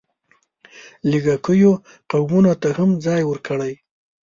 لږکیو قومونو ته هم ځای ورکړی.